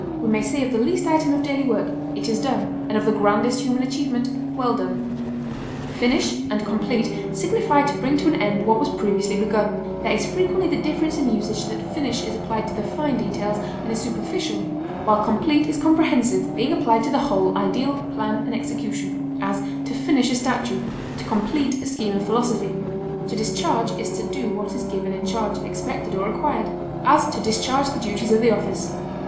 We may say of the least item of daily work, "It is done," and of the grandest human achievement, "Well done!" Finish and complete signify to bring to an end what was previously begun; there is frequently the difference in usage that finish is applied to the fine details and is superficial, while complete is comprehensive, being applied to the whole ideal, plan, and execution; as, to finish a statue; to complete a scheme of philosophy. To discharge is to do what is given in charge, expected, or required; as, to discharge the duties of the office.